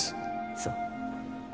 そう。